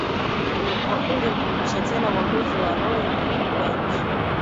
ni kwa bunge kurudisha tena uwamuzi wa Roe V Wade